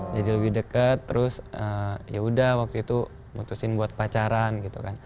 jadi lebih deket terus yaudah waktu itu mutusin buat pacaran gitu kan